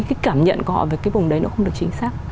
cái cảm nhận của họ về cái vùng đấy nó không được chính xác